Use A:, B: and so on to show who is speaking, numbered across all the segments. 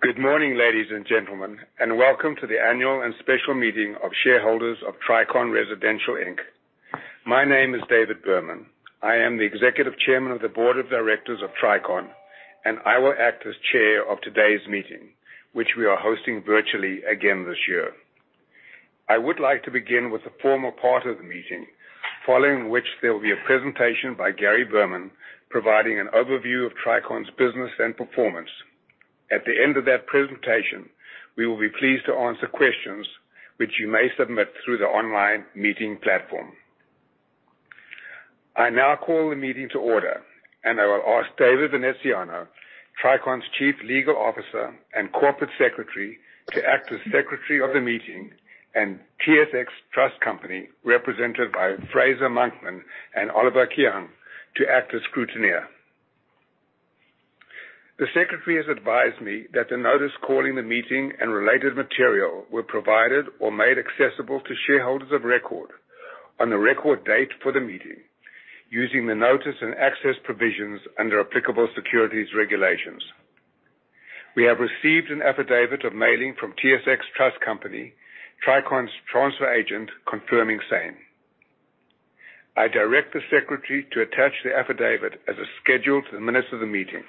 A: Good morning, ladies and gentlemen, and welcome to the annual and special meeting of shareholders of Tricon Residential Inc. My name is David Berman. I am the Executive Chairman of the board of directors of Tricon, and I will act as chair of today's meeting, which we are hosting virtually again this year. I would like to begin with the formal part of the meeting, following which there will be a presentation by Gary Berman, providing an overview of Tricon's business and performance. At the end of that presentation, we will be pleased to answer questions which you may submit through the online meeting platform. I now call the meeting to order, and I will ask David Veneziano, Tricon's Chief Legal Officer and Corporate Secretary, to act as secretary of the meeting, and TSX Trust Company, represented by Fraser Monkman and Oliver Keung, to act as scrutineer. The secretary has advised me that the notice calling the meeting and related material were provided or made accessible to shareholders of record on the record date for the meeting using the notice and access provisions under applicable securities regulations. We have received an affidavit of mailing from TSX Trust Company, Tricon's transfer agent, confirming same. I direct the secretary to attach the affidavit as a schedule to the minutes of the meeting.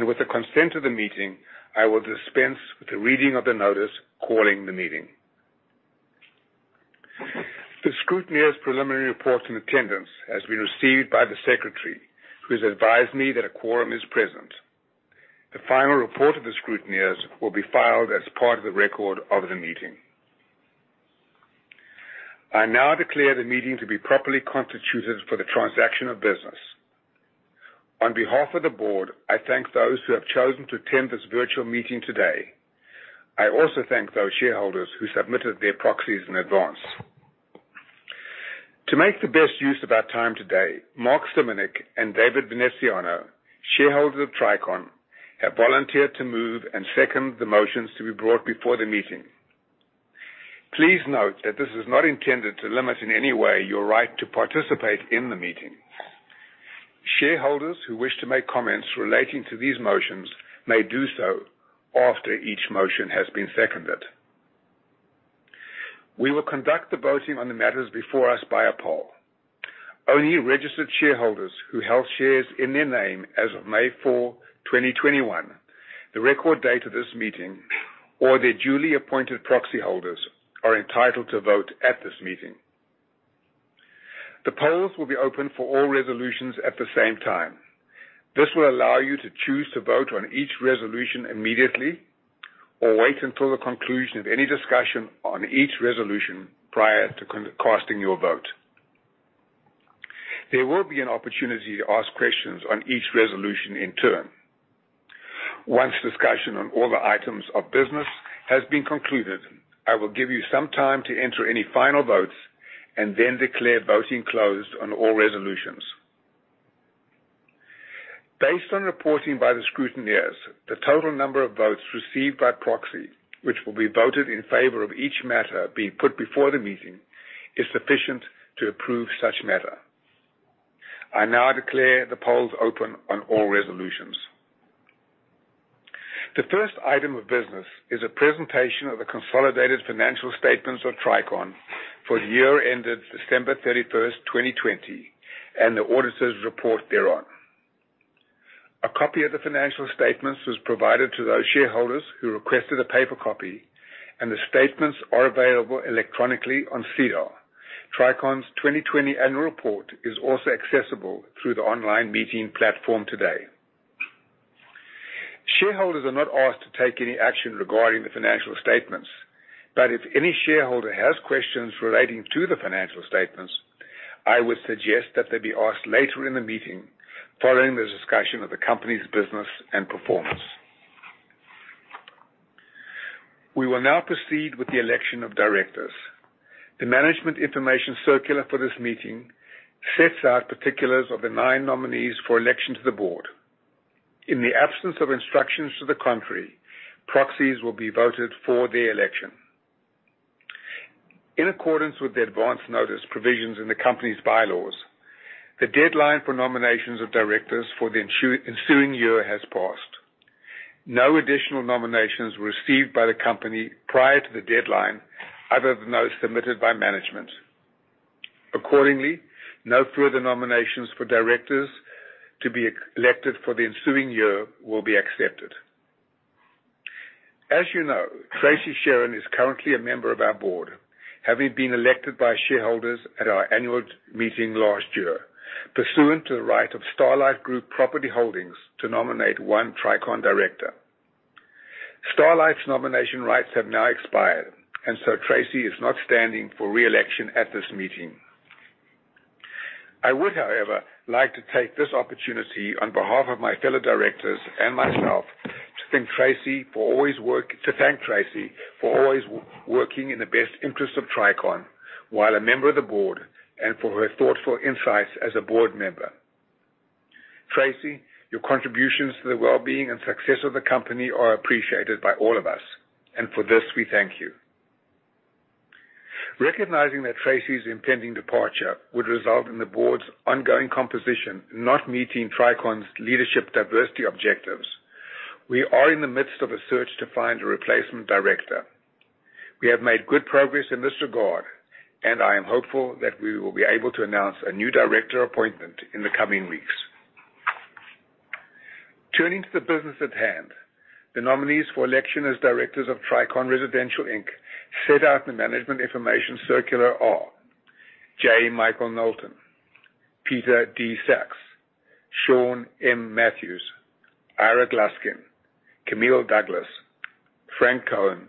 A: With the consent of the meeting, I will dispense with the reading of the notice calling the meeting. The scrutineer's preliminary report in attendance has been received by the secretary, who has advised me that a quorum is present. The final report of the scrutineers will be filed as part of the record of the meeting. I now declare the meeting to be properly constituted for the transaction of business. On behalf of the board, I thank those who have chosen to attend this virtual meeting today. I also thank those shareholders who submitted their proxies in advance. To make the best use of our time today, Mark Simonic and David Veneziano, shareholders of Tricon, have volunteered to move and second the motions to be brought before the meeting. Please note that this is not intended to limit in any way your right to participate in the meeting. Shareholders who wish to make comments relating to these motions may do so after each motion has been seconded. We will conduct the voting on the matters before us by a poll. Only registered shareholders who held shares in their name as of May 4th, 2021, the record date of this meeting, or their duly appointed proxy holders are entitled to vote at this meeting. The polls will be open for all resolutions at the same time. This will allow you to choose to vote on each resolution immediately or wait until the conclusion of any discussion on each resolution prior to casting your vote. There will be an opportunity to ask questions on each resolution in turn. Once discussion on all the items of business has been concluded, I will give you some time to enter any final votes and then declare voting closed on all resolutions. Based on reporting by the scrutineers, the total number of votes received by proxy, which will be voted in favor of each matter being put before the meeting, is sufficient to approve such matter. I now declare the polls open on all resolutions. The first item of business is a presentation of the consolidated financial statements of Tricon for the year ended December 31st, 2020, and the auditor's report thereon. A copy of the financial statements was provided to those shareholders who requested a paper copy, and the statements are available electronically on SEDAR. Tricon's 2020 annual report is also accessible through the online meeting platform today. Shareholders are not asked to take any action regarding the financial statements, but if any shareholder has questions relating to the financial statements, I would suggest that they be asked later in the meeting following the discussion of the company's business and performance. We will now proceed with the election of directors. The management information circular for this meeting sets out particulars of the nine nominees for election to the board. In the absence of instructions to the contrary, proxies will be voted for the election. In accordance with the advance notice provisions in the company's bylaws, the deadline for nominations of directors for the ensuing year has passed. No additional nominations were received by the company prior to the deadline other than those submitted by management. Accordingly, no further nominations for directors to be elected for the ensuing year will be accepted. As you know, Tracy Sherren is currently a member of our board, having been elected by shareholders at our annual meeting last year pursuant to the right of Starlight Group Property Holdings to nominate one Tricon director. Starlight's nomination rights have now expired, Tracy is not standing for re-election at this meeting. I would, however, like to take this opportunity on behalf of my fellow directors and myself to thank Tracy for always working in the best interest of Tricon while a member of the board and for her thoughtful insights as a board member. Tracy, your contributions to the well-being and success of the company are appreciated by all of us, and for this, we thank you. Recognizing that Tracy's impending departure would result in the board's ongoing composition not meeting Tricon's leadership diversity objectives, we are in the midst of a search to find a replacement director. We have made good progress in this regard, and I am hopeful that we will be able to announce a new director appointment in the coming weeks. Turning to the business at hand, the nominees for election as directors of Tricon Residential Inc., set out in the management information circular are J. Michael Knowlton, Peter D. Sacks, Siân M. Matthews, Ira Gluskin, Camille Douglas, Frank Cohen,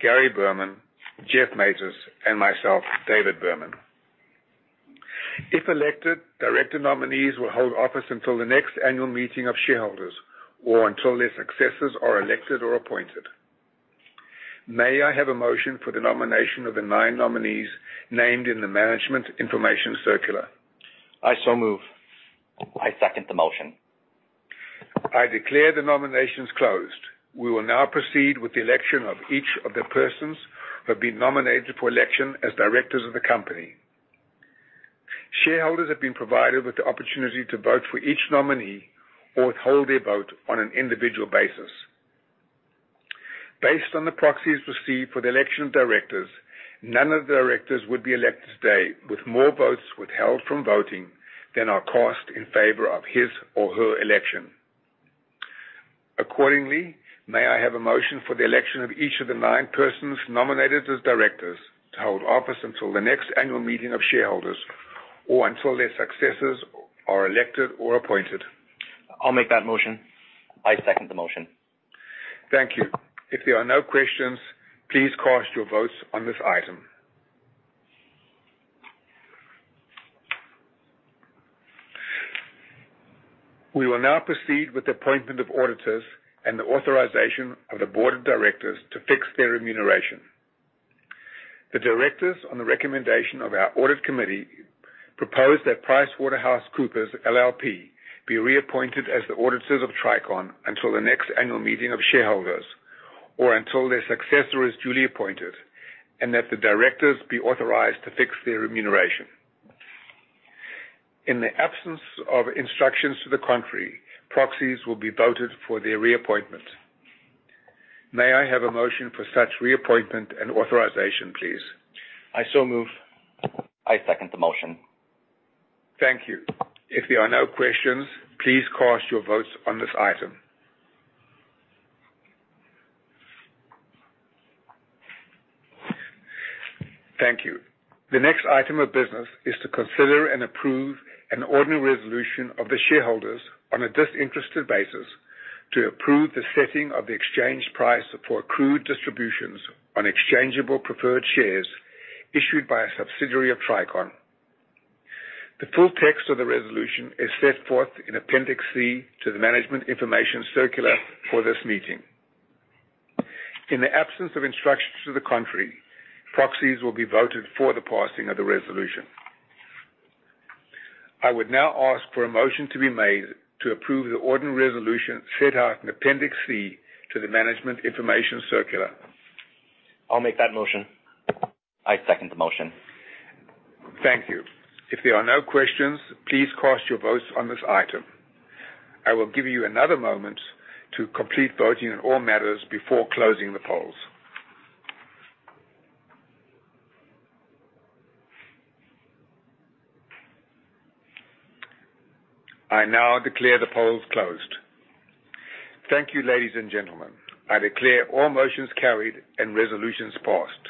A: Gary Berman, Geoff Matus, and myself, David Berman. If elected, director nominees will hold office until the next annual meeting of shareholders or until their successors are elected or appointed. May I have a motion for the nomination of the nine nominees named in the management information circular?
B: I so move.
C: I second the motion.
A: I declare the nominations closed. We will now proceed with the election of each of the persons who have been nominated for election as directors of the company. Shareholders have been provided with the opportunity to vote for each nominee or withhold their vote on an individual basis. Based on the proxies received for the election of directors, none of the directors would be elected today with more votes withheld from voting than are cast in favor of his or her election. Accordingly, may I have a motion for the election of each of the nine persons nominated as directors to hold office until the next annual meeting of shareholders, or until their successors are elected or appointed?
C: I'll make that motion.
B: I second the motion.
A: Thank you. If there are no questions, please cast your votes on this item. We will now proceed with the appointment of auditors and the authorization of the board of directors to fix their remuneration. The directors, on the recommendation of our audit committee, propose that PricewaterhouseCoopers LLP be reappointed as the auditors of Tricon until the next annual meeting of shareholders, or until their successor is duly appointed, and that the directors be authorized to fix their remuneration. In the absence of instructions to the contrary, proxies will be voted for their reappointment. May I have a motion for such reappointment and authorization, please?
C: I so move.
B: I second the motion.
A: Thank you. If there are no questions, please cast your votes on this item. Thank you. The next item of business is to consider and approve an ordinary resolution of the shareholders on a disinterested basis to approve the setting of the exchange price for accrued distributions on exchangeable preferred shares issued by a subsidiary of Tricon. The full text of the resolution is set forth in Appendix C to the management information circular for this meeting. In the absence of instructions to the contrary, proxies will be voted for the passing of the resolution. I would now ask for a motion to be made to approve the ordinary resolution set out in Appendix C to the management information circular.
C: I'll make that motion.
B: I second the motion.
A: Thank you. If there are no questions, please cast your votes on this item. I will give you another moment to complete voting on all matters before closing the polls. I now declare the polls closed. Thank you, ladies and gentlemen. I declare all motions carried and resolutions passed.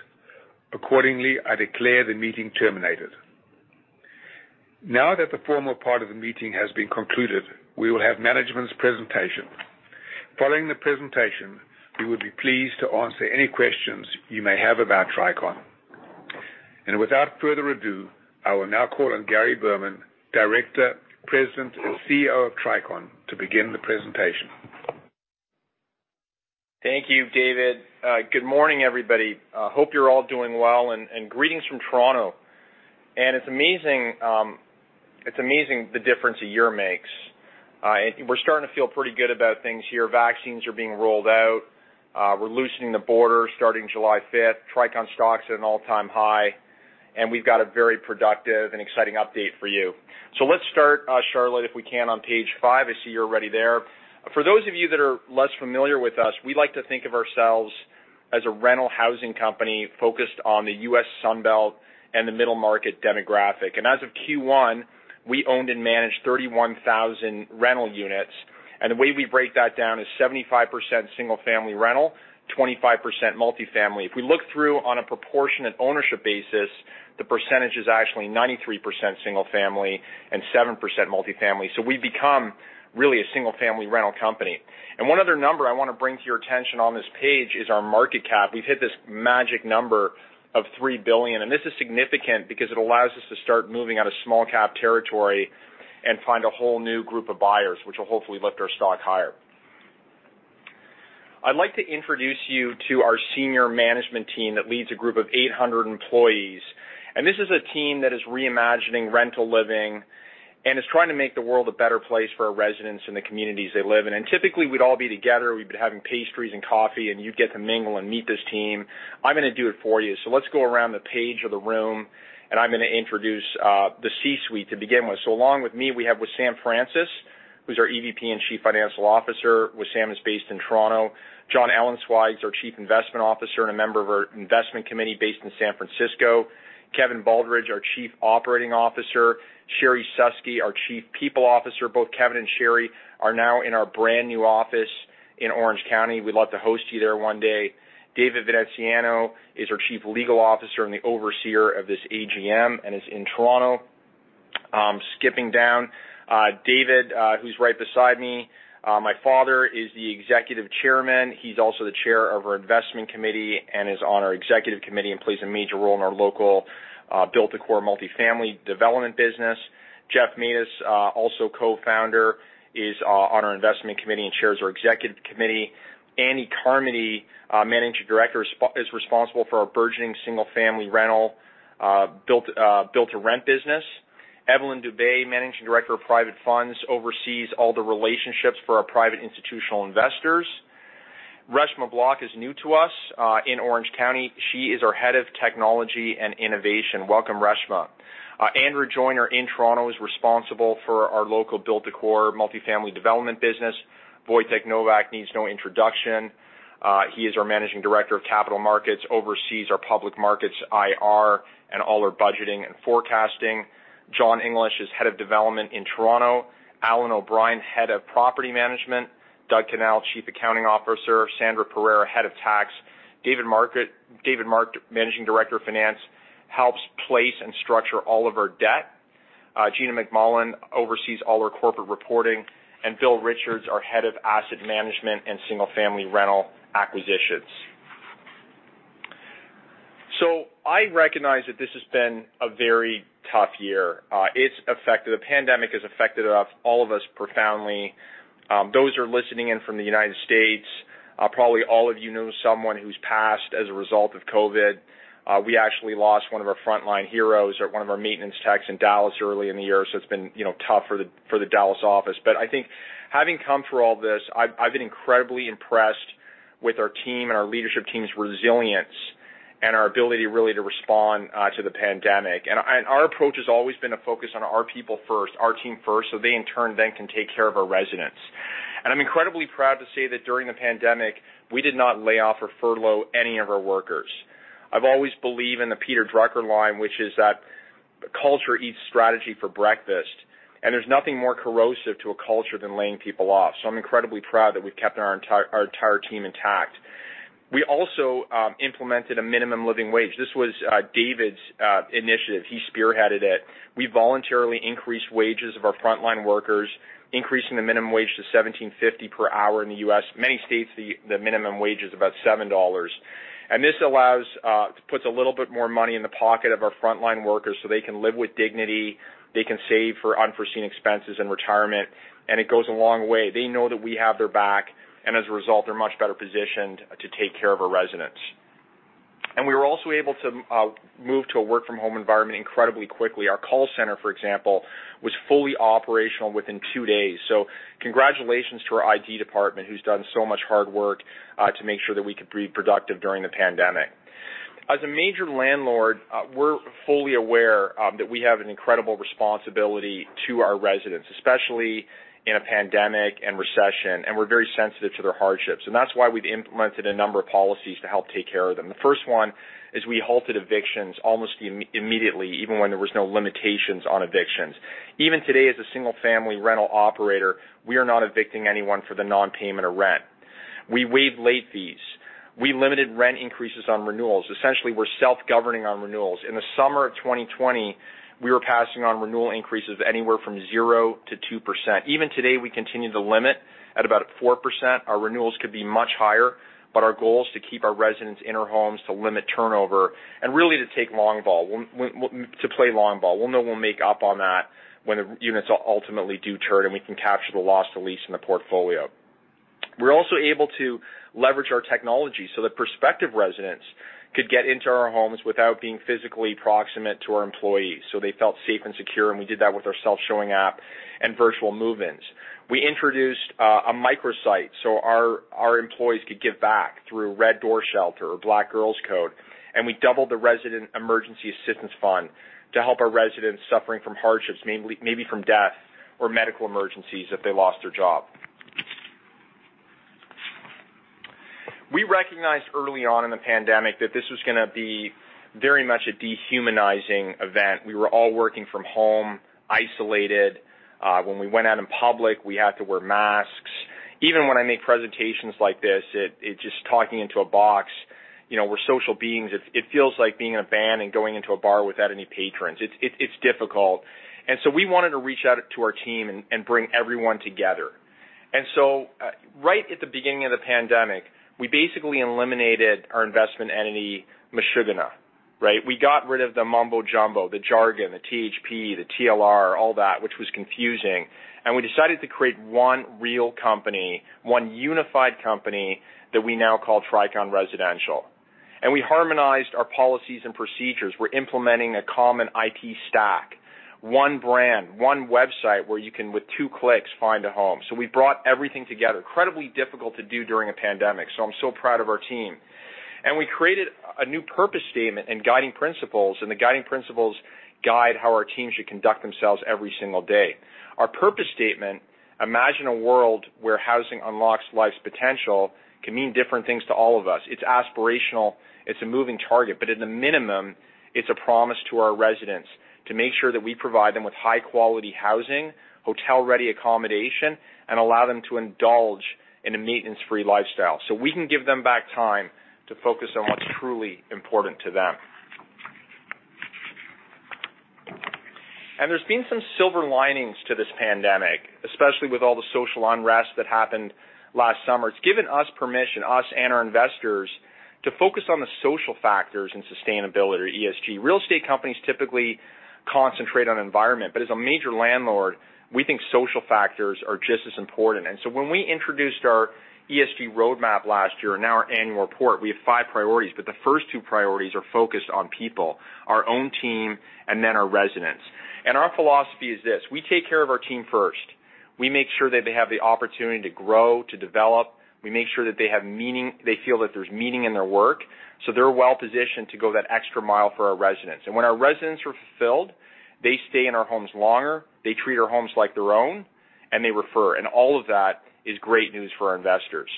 A: Accordingly, I declare the meeting terminated. Now that the formal part of the meeting has been concluded, we will have management's presentation. Following the presentation, we would be pleased to answer any questions you may have about Tricon. Without further ado, I will now call on Gary Berman, Director, President, and CEO of Tricon, to begin the presentation.
D: Thank you, David. Good morning, everybody. Hope you're all doing well, greetings from Toronto. It's amazing the difference a year makes. We're starting to feel pretty good about things here. Vaccines are being rolled out. We're loosening the border starting July 5th. Tricon stock's at an all-time high, we've got a very productive and exciting update for you. Let's start, Charlotte, if we can, on page five. I see you're already there. For those of you that are less familiar with us, we like to think of ourselves as a rental housing company focused on the U.S. Sun Belt and the middle-market demographic. As of Q1, we owned and managed 31,000 rental units, the way we break that down is 75% single-family rental, 25% multifamily. If we look through on a proportionate ownership basis, the percentage is actually 93% single-family and 7% multifamily. We've become really a single-family rental company. One other number I want to bring to your attention on this page is our market cap. We've hit this magic number of 3 billion. This is significant because it allows us to start moving out of small cap territory and find a whole new group of buyers, which will hopefully lift our stock higher. I'd like to introduce you to our senior management team that leads a group of 800 employees. This is a team that is reimagining rental living. It's trying to make the world a better place for our residents and the communities they live in. Typically, we'd all be together. We'd be having pastries and coffee, and you'd get to mingle and meet this team. I'm going to do it for you. Let's go around the face of the room, and I'm going to introduce the C-suite to begin with. Along with me, we have Wissam Francis, who's our EVP and Chief Financial Officer. Wissam is based in Toronto. Jonathan Ellenzweig, our Chief Investment Officer and a member of our Investment Committee, based in San Francisco. Kevin Baldridge, our Chief Operating Officer. Sherrie Suski, our Chief People Officer. Both Kevin and Sherrie are now in our brand new office in Orange County. We'd love to host you there one day. David Veneziano is our Chief Legal Officer and the overseer of this AGM and is in Toronto. Skipping down. David, who's right beside me. My father is the Executive Chairman. He's also the Chair of our Investment Committee and is on our Executive Committee and plays a major role in our local build-to-core multifamily development business. Geoff Matus, also Co-Founder, is on our investment committee and chairs our executive committee. Andy Carmody, Managing Director, is responsible for our burgeoning single-family rental build-to-rent business. Evelyne Dubé, Managing Director of Private Funds, oversees all the relationships for our private institutional investors. Reshma Block is new to us in Orange County. She is our Head of Technology and Innovation. Welcome, Reshma. Andrew Joyner in Toronto is responsible for our local build-to-core multifamily development business. Wojtek Nowak needs no introduction. He is our Managing Director of Capital Markets, oversees our public markets IR, and all our budgeting and forecasting. John English is Head of Development in Toronto. Alan O'Brien, Head of Property Management. Doug Conkey, Chief Accounting Officer. Sandra Pereira, Head of Tax. David Mark, Managing Director of Finance, helps place and structure all of our debt. Gina McMullan oversees all our corporate reporting. Bill Richard, our head of asset management and single-family rental acquisitions. I recognize that this has been a very tough year. The pandemic has affected all of us profoundly. Those who are listening in from the United States, probably all of you know someone who's passed as a result of COVID. We actually lost one of our frontline heroes at one of our maintenance techs in Dallas early in the year. It's been tough for the Dallas office. I think having come through all this, I've been incredibly impressed with our team, our leadership team's resilience, and our ability really to respond to the pandemic. Our approach has always been a focus on our people first, our team first, so they in turn then can take care of our residents. I'm incredibly proud to say that during the pandemic, we did not lay off or furlough any of our workers. I've always believed in the Peter Drucker line, which is that culture eats strategy for breakfast, and there's nothing more corrosive to a culture than laying people off. I'm incredibly proud that we've kept our entire team intact. We also implemented a minimum living wage. This was David's initiative. He spearheaded it. We voluntarily increased wages of our frontline workers, increasing the minimum wage to $17.50 per hour in the U.S. Many states, the minimum wage is about $7. This puts a little bit more money in the pocket of our frontline workers so they can live with dignity. They can save for unforeseen expenses and retirement, and it goes a long way. They know that we have their back. As a result, they're much better positioned to take care of our residents. We were also able to move to a work-from-home environment incredibly quickly. Our call center, for example, was fully operational within two days. Congratulations to our IT department, who's done so much hard work to make sure that we could be productive during the pandemic. As a major landlord, we're fully aware that we have an incredible responsibility to our residents, especially in a pandemic and recession. We're very sensitive to their hardships. That's why we've implemented a number of policies to help take care of them. The first one is we halted evictions almost immediately, even when there was no limitations on evictions. Even today, as a single-family rental operator, we are not evicting anyone for the non-payment of rent. We waived late fees. We limited rent increases on renewals. Essentially, we're self-governing our renewals. In the summer of 2020, we were passing on renewal increases of anywhere from 0%-2%. Even today, we continue to limit at about 4%. Our renewals could be much higher, but our goal is to keep our residents in our homes to limit turnover and really to play long ball. We know we'll make up on that when units ultimately do turn, and we can capture the lost lease in the portfolio. We're also able to leverage our technology so that prospective residents could get into our homes without being physically proximate to our employees, so they felt safe and secure, and we did that with our self-showing app and virtual move-ins. We introduced a microsite so our employees could give back through Red Door Shelter or Black Girls Code, and we doubled the Resident Emergency Assistance Fund to help our residents suffering from hardships, maybe from death or medical emergencies if they lost their job. We recognized early on in the pandemic that this was going to be very much a dehumanizing event. We were all working from home, isolated. When we went out in public, we had to wear masks. Even when I make presentations like this, it's just talking into a box. We're social beings. It feels like being a band and going into a bar without any patrons. It's difficult. We wanted to reach out to our team and bring everyone together. Right at the beginning of the pandemic, we basically eliminated our investment entity, Mishmash. Right? We got rid of the mumbo jumbo, the jargon, the THP, the TLR, all that, which was confusing. We decided to create one real company, one unified company that we now call Tricon Residential. We harmonized our policies and procedures. We're implementing a common IT stack, one brand, one website where you can, with two clicks, find a home. We brought everything together. Incredibly difficult to do during a pandemic, so I'm so proud of our team. We created a new purpose statement and guiding principles, and the guiding principles guide how our teams should conduct themselves every single day. Our purpose statement, imagine a world where housing unlocks life's potential, can mean different things to all of us. It's aspirational. It's a moving target, but at a minimum, it's a promise to our residents to make sure that we provide them with high-quality housing, hotel-ready accommodation, and allow them to indulge in a maintenance-free lifestyle. We can give them back time to focus on what's truly important to them. There's been some silver linings to this pandemic, especially with all the social unrest that happened last summer. It's given us permission, us and our investors, to focus on the social factors in sustainability or ESG. Real estate companies typically concentrate on environment, but as a major landlord, we think social factors are just as important. When we introduced our ESG roadmap last year in our annual report, we have five priorities, but the first two priorities are focused on people, our own team, and then our residents. Our philosophy is this: we take care of our team first. We make sure that they have the opportunity to grow, to develop. We make sure that they feel that there's meaning in their work, so they're well-positioned to go that extra mile for our residents. When our residents are fulfilled, they stay in our homes longer, they treat our homes like their own, and they refer, and all of that is great news for our investors.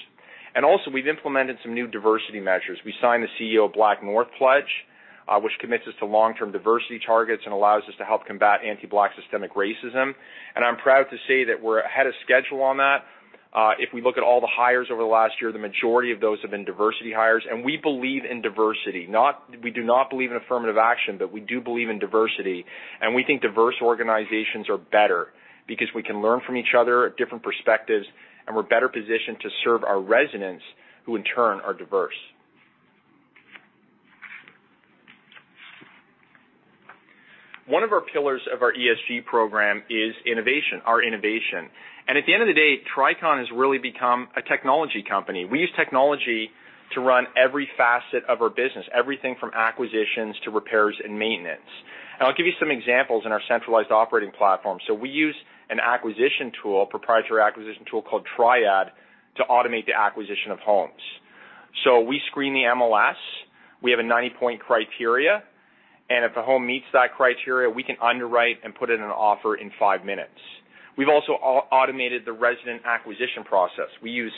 D: Also, we've implemented some new diversity measures. We signed the CEO BlackNorth Pledge, which commits us to long-term diversity targets and allows us to help combat anti-Black systemic racism, and I'm proud to say that we're ahead of schedule on that. If we look at all the hires over the last year, the majority of those have been diversity hires, and we believe in diversity. We do not believe in affirmative action, but we do believe in diversity, and we think diverse organizations are better because we can learn from each other, different perspectives, and we're better positioned to serve our residents who in turn are diverse. One of our pillars of our ESG program is innovation, our innovation. At the end of the day, Tricon has really become a technology company. We use technology to run every facet of our business, everything from acquisitions to repairs and maintenance. I'll give you some examples in our centralized operating platform. We use an acquisition tool, a proprietary acquisition tool called TriAD, to automate the acquisition of homes. We screen the MLS. We have a 90-point criteria, and if a home meets that criteria, we can underwrite and put in an offer in five minutes. We've also automated the resident acquisition process. We use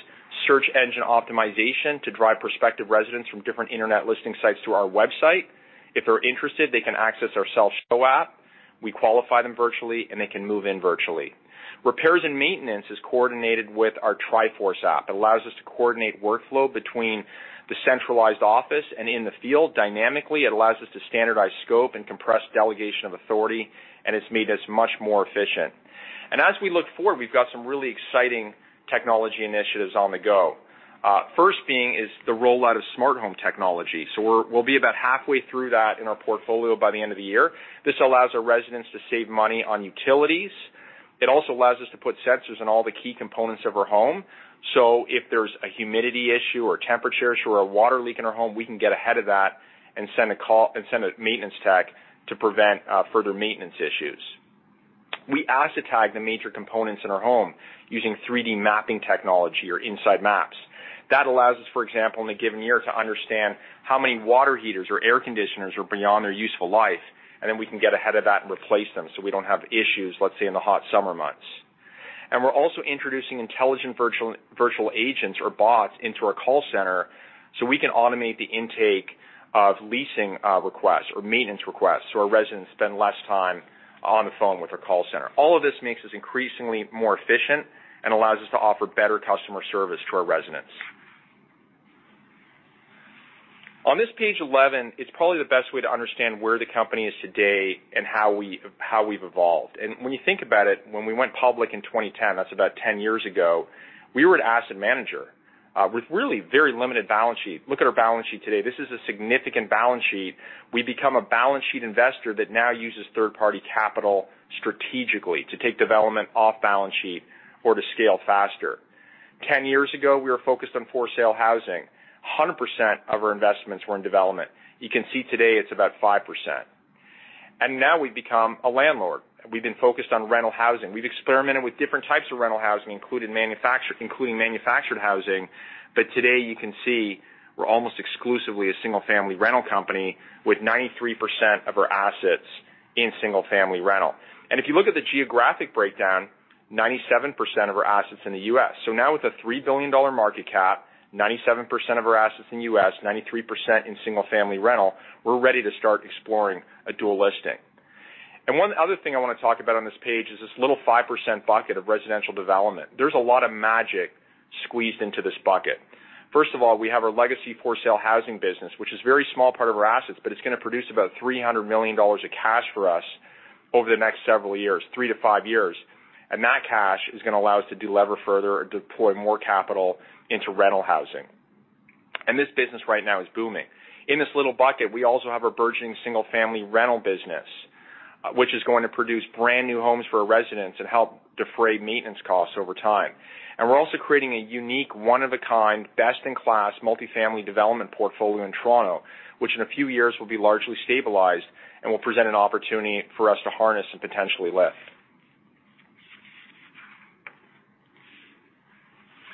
D: search engine optimization to drive prospective residents from different internet listing sites to our website. If they're interested, they can access our self-show app. We qualify them virtually, and they can move in virtually. Repairs and maintenance is coordinated with our TriForce app. It allows us to coordinate workflow between the centralized office and in the field dynamically. It allows us to standardize scope and compress delegation of authority, and it's made us much more efficient. As we look forward, we've got some really exciting technology initiatives on the go. First being is the rollout of smart home technology. We'll be about halfway through that in our portfolio by the end of the year. This allows our residents to save money on utilities. It also allows us to put sensors on all the key components of our home. If there's a humidity issue or temperature issue or a water leak in our home, we can get ahead of that and send a maintenance tech to prevent further maintenance issues. We asset tag the major components in our home using 3D mapping technology or InsideMaps. That allows us, for example, in a given year, to understand how many water heaters or air conditioners are beyond their useful life, and then we can get ahead of that and replace them so we don't have issues, let's say, in the hot summer months. We're also introducing intelligent virtual agents or bots into our call center so we can automate the intake of leasing requests or maintenance requests so our residents spend less time on the phone with our call center. All of this makes us increasingly more efficient and allows us to offer better customer service to our residents. On this page 11, it's probably the best way to understand where the company is today and how we've evolved. When you think about it, when we went public in 2010, that's about 10 years ago, we were an asset manager, with really very limited balance sheet. Look at our balance sheet today. This is a significant balance sheet. We've become a balance sheet investor that now uses third-party capital strategically to take development off balance sheet or to scale faster. 10 years ago, we were focused on for-sale housing. 100% of our investments were in development. You can see today it's about 5%. Now we've become a landlord, and we've been focused on rental housing. We've experimented with different types of rental housing, including manufactured housing. Today you can see we're almost exclusively a single-family rental company with 93% of our assets in single-family rental. If you look at the geographic breakdown, 97% of our assets are in the U.S. Now with a CAD 3 billion market cap, 97% of our assets in the U.S., 93% in single-family rental, we're ready to start exploring a dual listing. One other thing I want to talk about on this page is this little 5% bucket of residential development. First of all, we have our legacy for-sale housing business, which is a very small part of our assets, but it's going to produce about 300 million dollars of cash for us over the next several years, three to five years. That cash is going to allow us to delever further and deploy more capital into rental housing. This business right now is booming. In this little bucket, we also have a burgeoning single-family rental business. Which is going to produce brand new homes for our residents and help defray maintenance costs over time. We're also creating a unique, one-of-a-kind, best-in-class multifamily development portfolio in Toronto, which in a few years will be largely stabilized and will present an opportunity for us to harness and potentially lift.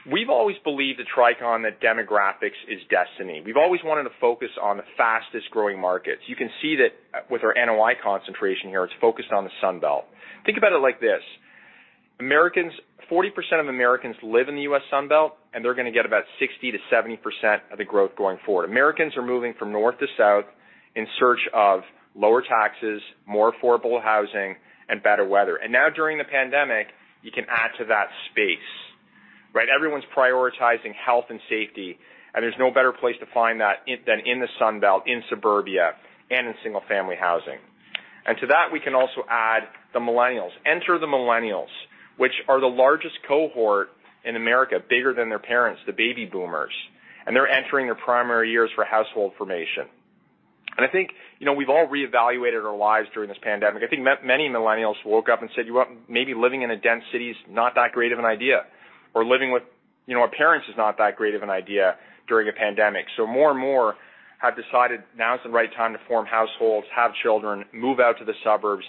D: We've always believed at Tricon that demographics is destiny. We've always wanted to focus on the fastest-growing markets. You can see that with our NOI concentration here, it's focused on the Sun Belt. Think about it like this. 40% of Americans live in the U.S. Sun Belt, and they're going to get about 60%-70% of the growth going forward. Americans are moving from north to south in search of lower taxes, more affordable housing, and better weather. Now during the pandemic, you can add to that space. Everyone's prioritizing health and safety. There's no better place to find that than in the Sun Belt, in suburbia, and in single-family housing. To that, we can also add the millennials. Enter the millennials, which are the largest cohort in America, bigger than their parents, the baby boomers. They're entering their primary years for household formation. I think we've all reevaluated our lives during this pandemic. I think many millennials woke up and said, "You know what? Maybe living in a dense city is not that great of an idea." Living with parents is not that great of an idea during a pandemic. More and more have decided now's the right time to form households, have children, move out to the suburbs,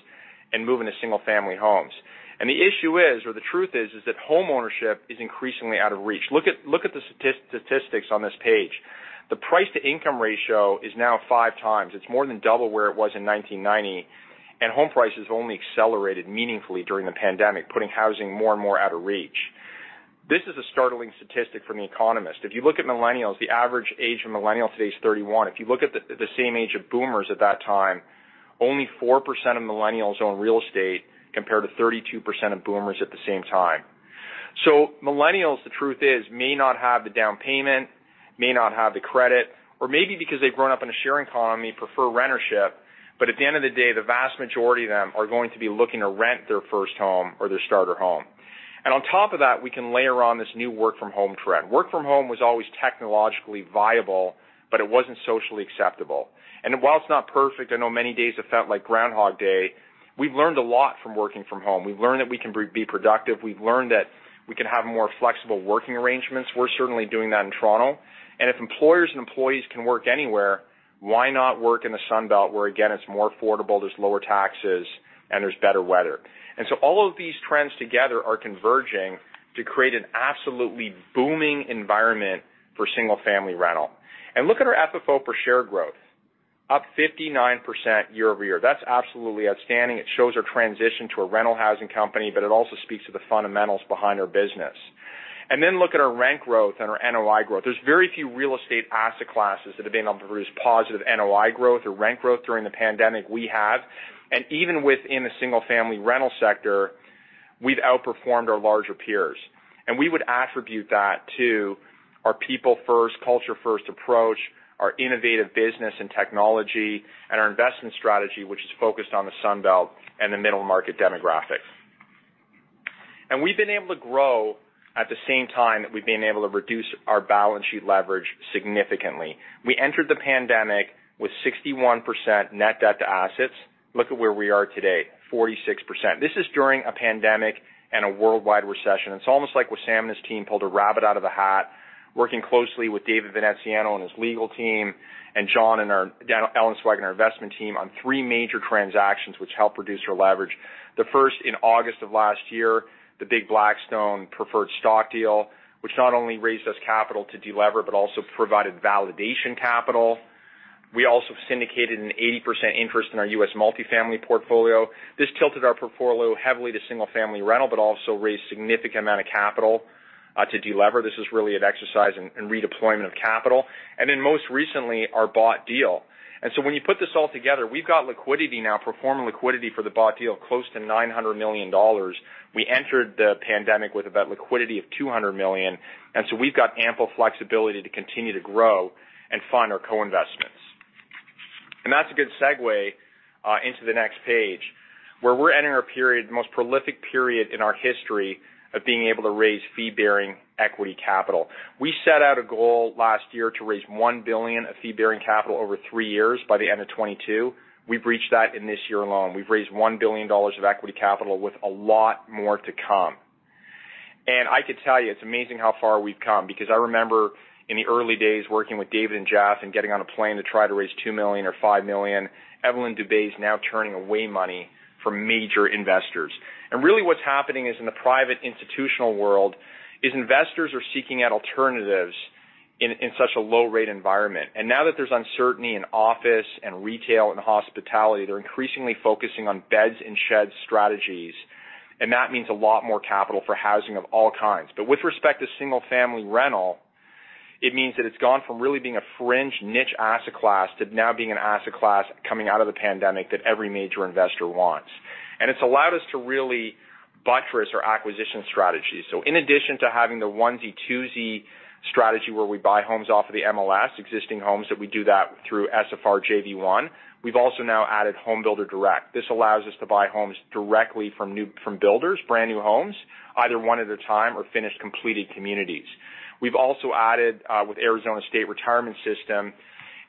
D: and move into single-family homes. The issue is, or the truth is that homeownership is increasingly out of reach. Look at the statistics on this page. The price-to-income ratio is now 5x. It's more than double where it was in 1990. Home prices only accelerated meaningfully during the pandemic, putting housing more and more out of reach. This is a startling statistic from "The Economist." If you look at millennials, the average age of a millennial today is 31. If you look at the same age of boomers at that time, only 4% of millennials own real estate compared to 32% of boomers at the same time. Millennials, the truth is, may not have the down payment, may not have the credit, or maybe because they've grown up in a sharing economy, prefer rentership. At the end of the day, the vast majority of them are going to be looking to rent their first home or their starter home. On top of that, we can layer on this new work-from-home trend. Work from home was always technologically viable, but it wasn't socially acceptable. While it's not perfect, I know many days have felt like Groundhog Day, we've learned a lot from working from home. We've learned that we can be productive. We've learned that we can have more flexible working arrangements. We're certainly doing that in Toronto. If employers and employees can work anywhere, why not work in the Sun Belt, where again, it's more affordable, there's lower taxes, and there's better weather. All of these trends together are converging to create an absolutely booming environment for single-family rental. Look at our FFO per share growth. Up 59% year-over-year. That's absolutely outstanding. It shows our transition to a rental housing company, it also speaks to the fundamentals behind our business. Look at our rent growth and our NOI growth. There's very few real estate asset classes that have been able to produce positive NOI growth or rent growth during the pandemic. We have. Even within the single-family rental sector, we've outperformed our larger peers. We would attribute that to our people-first, culture-first approach, our innovative business and technology, and our investment strategy, which is focused on the Sun Belt and the middle-market demographic. We've been able to grow at the same time that we've been able to reduce our balance sheet leverage significantly. We entered the pandemic with 61% net debt to assets. Look at where we are today, 46%. This is during a pandemic and a worldwide recession. It's almost like where Wissam Francis and his team pulled a rabbit out of a hat, working closely with David Veneziano and his legal team, and John English and Jonathan Ellenzweig and our investment team on three major transactions which helped reduce our leverage. The first in August of last year, the big Blackstone preferred stock deal, which not only raised us capital to de-lever but also provided validation capital. We also syndicated an 80% interest in our U.S. multifamily portfolio. This tilted our portfolio heavily to single-family rental but also raised a significant amount of capital to de-lever. This is really an exercise in redeployment of capital. Most recently, our bought deal. When you put this all together, we've got liquidity now, pro forma liquidity for the bought deal, close to 900 million dollars. We entered the pandemic with about liquidity of 200 million. We've got ample flexibility to continue to grow and fund our co-investments. That's a good segue into the next page, where we're entering a period, the most prolific period in our history of being able to raise fee-bearing equity capital. We set out a goal last year to raise 1 billion of fee-bearing capital over three years by the end of 2022. We've reached that in this year alone. We've raised 1 billion dollars of equity capital with a lot more to come. I can tell you, it's amazing how far we've come because I remember in the early days working with David Mark and Jas Jawanda and getting on a plane to try to raise 2 million or 5 million. Evelyne Dubé is now turning away money from major investors. Really what's happening is in the private institutional world is investors are seeking out alternatives in such a low-rate environment. Now that there's uncertainty in office and retail and hospitality, they're increasingly focusing on beds and sheds strategies. That means a lot more capital for housing of all kinds. With respect to single-family rental, it means that it's gone from really being a fringe niche asset class to now being an asset class coming out of the pandemic that every major investor wants. It's allowed us to really buttress our acquisition strategy. In addition to having the onesie-twosie strategy where we buy homes off of the MLS, existing homes that we do that through SFR JV-1, we've also now added Homebuilder Direct. This allows us to buy homes directly from builders, brand new homes, either one at a time or finished completed communities. We've also added, with Arizona State Retirement System,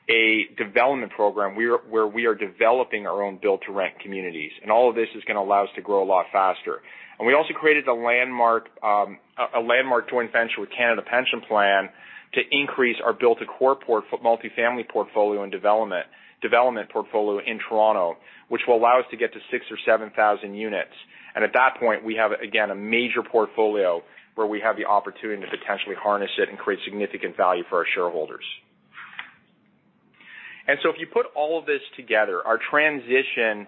D: a development program where we are developing our own build-to-rent communities. All of this is going to allow us to grow a lot faster. We also created a landmark joint venture with Canada Pension Plan to increase our build-to-core port, multifamily portfolio, and development portfolio in Toronto, which will allow us to get to 6,000 or 7,000 units. At that point, we have, again, a major portfolio where we have the opportunity to potentially harness it and create significant value for our shareholders. If you put all of this together, our transition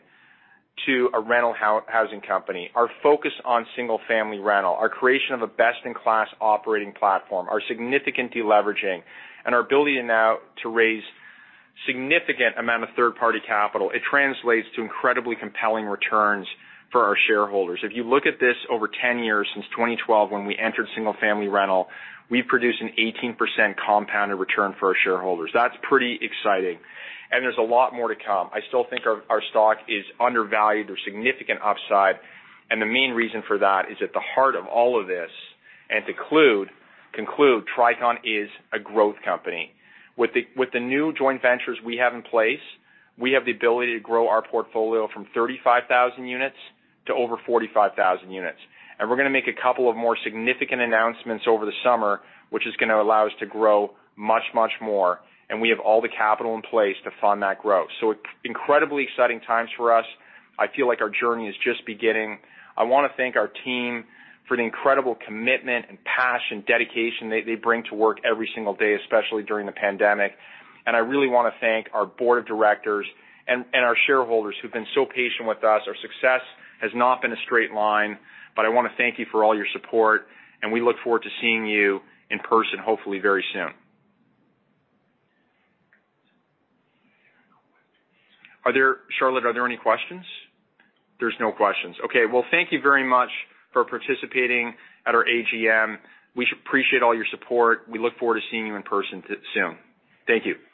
D: to a rental housing company, our focus on single-family rental, our creation of a best-in-class operating platform, our significant deleveraging, and our ability now to raise significant amount of third-party capital, it translates to incredibly compelling returns for our shareholders. If you look at this over 10 years, since 2012 when we entered single-family rental, we produced an 18% compounded return for our shareholders. That's pretty exciting, and there's a lot more to come. I still think our stock is undervalued. There's significant upside, and the main reason for that is at the heart of all of this. To conclude, Tricon is a growth company. With the new joint ventures we have in place, we have the ability to grow our portfolio from 35,000 units to over 45,000 units. We're going to make two more significant announcements over the summer, which is going to allow us to grow much, much more. We have all the capital in place to fund that growth. Incredibly exciting times for us. I feel like our journey is just beginning. I want to thank our team for the incredible commitment and passion, dedication they bring to work every single day, especially during the pandemic. I really want to thank our Board of Directors and our shareholders who've been so patient with us. Our success has not been a straight line, but I want to thank you for all your support, and we look forward to seeing you in person hopefully very soon. Charlotte, are there any questions? There's no questions. Okay. Thank you very much for participating at our AGM. We appreciate all your support. We look forward to seeing you in person soon. Thank you.